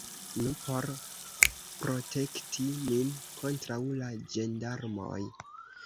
Nu, por protekti nin kontraŭ la ĝendarmoj!